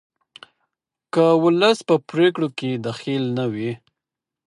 که ولس په پریکړو کې دخیل نه وي